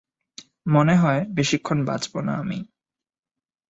মনেহয় বেশিক্ষন বাঁচবনা আমি!